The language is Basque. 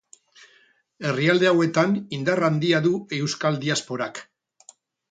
Herrialde hauetan indar handia du euskal diasporak.